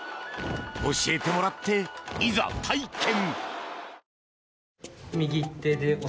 教えてもらって、いざ体験！